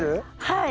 はい。